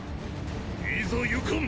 いざゆかん！！